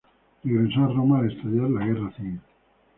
Regresó a Roma al estallar la Guerra Civil.